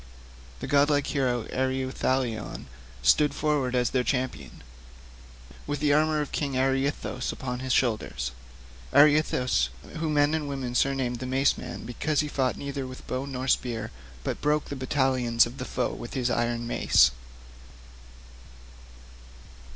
The godlike hero Ereuthalion stood forward as their champion, with the armour of King Areithous upon his shoulders—Areithous whom men and women had surnamed 'the Mace man,' because he fought neither with bow nor spear, but broke the battalions of the foe with his iron mace.